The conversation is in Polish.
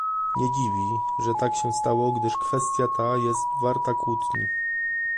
Nie dziwi, że tak się stało, gdyż kwestia ta jest warta kłótni